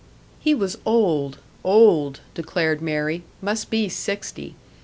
He was old, old, declared Mary must be sixty.